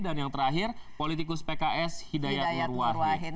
dan yang terakhir politikus pks hidayat nurwahi